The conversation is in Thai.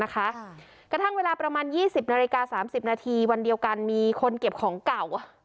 กระทั่งเวลาประมาณ๒๐นาฬิกา๓๐นาทีวันเดียวกันมีคนเก็บของเก่า